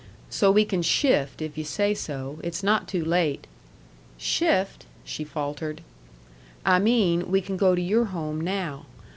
So we can shift, if yu' say so. It's not too late." "Shift?" she faltered. "I mean, we can go to your home now.